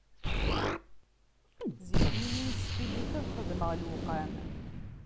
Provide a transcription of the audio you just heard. Zik-nni mi nesfillit, ad xedmeɣ lewqam